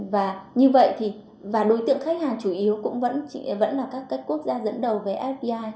và như vậy thì và đối tượng khách hàng chủ yếu cũng vẫn là các quốc gia dẫn đầu về fdi